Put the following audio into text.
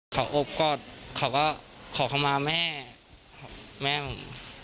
เขาอบกอดเขาก็ขอเข้ามาแม่แม่ผม